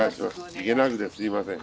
行けなくてすいません。